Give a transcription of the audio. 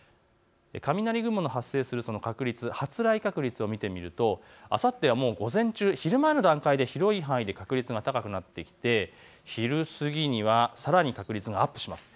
雷雲の発生する確率、発雷確率を見てみるとあさっては午前中、昼前の段階で確率が高くなってきて昼過ぎにはさらに確率がアップします。